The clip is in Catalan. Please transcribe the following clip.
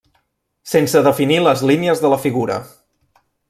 Sense definir les línies de la figura.